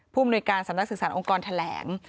มนุยการสำนักศึกษาองค์กรแถลง